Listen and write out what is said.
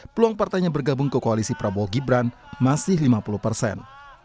peluang partainya bergabung ke koalisi prabowo gibran masih lima puluh persen